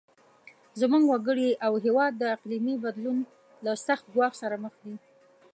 زموږ وګړي او هیواد د اقلیمي بدلون له سخت ګواښ سره مخ دي.